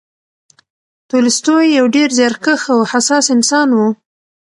تولستوی یو ډېر زیارکښ او حساس انسان و.